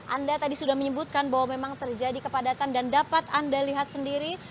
anda tadi sudah menyebutkan bahwa memang terjadi kepadatan dan dapat anda lihat sendiri